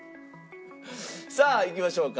さあいきましょうか。